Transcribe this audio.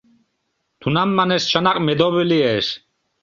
Тунам, манеш, чынак медовый лиеш.